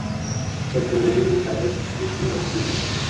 که کورنۍ مطالعه تشویق کړي، وخت نه ضایع کېږي.